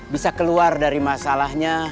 bisa keluar dari masalahnya